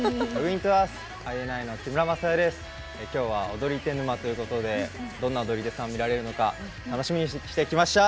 今日は踊り手沼ということでどんな踊り手さんが見られるのか楽しみにしてきました。